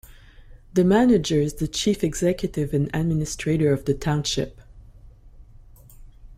The Manager is the chief executive and administrator of the Township.